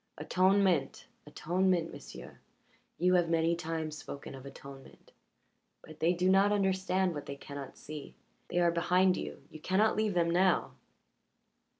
Atonement atonement, m'sieu'. You have many times spoken of atonement. But they do not understand what they cannot see. They are behind you you cannot leave them now."